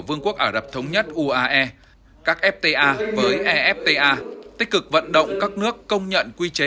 vương quốc ả rập thống nhất uae các fta với efta tích cực vận động các nước công nhận quy chế